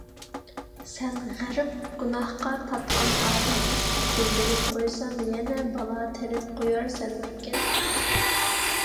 سەن غەرق گۇناھقا پاتقان ئادەم، قۇتۇلدۇرۇپ قويسام، يەنە بالا تېرىپ قويارسەنمىكىن؟